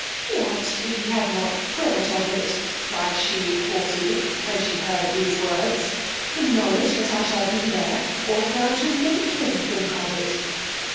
What, if he hat not thought of it! cried she haughtily, when she heard these words; the knowledge that I shall be there, ought now to make him think of it.